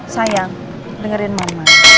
sayang dengerin mama